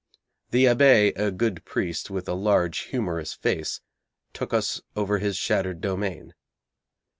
The abbé, a good priest, with a large humorous face, took us over his shattered domain.